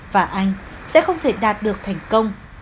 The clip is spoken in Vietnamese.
và anh sẽ không thể đạt được thành công